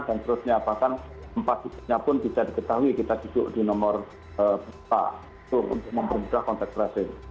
dan seterusnya bahkan empat digitnya pun bisa diketahui kita duduk di nomor empat untuk mempermudah kontak tracing